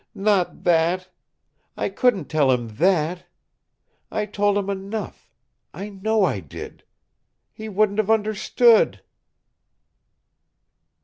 Not that! I couldn't tell him that. I told him enough. I know I did. He wouldn't have understood!"